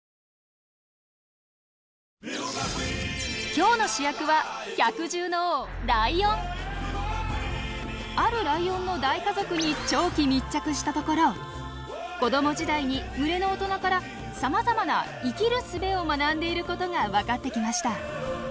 今日の主役はあるライオンの大家族に長期密着したところ子ども時代に群れの大人からさまざまな生きるすべを学んでいることが分かってきました。